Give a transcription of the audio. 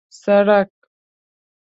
سړک